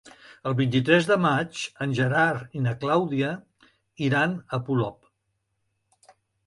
El vint-i-tres de maig en Gerard i na Clàudia iran a Polop.